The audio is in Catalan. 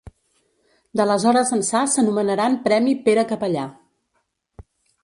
D'aleshores ençà s'anomenaran Premi Pere Capellà.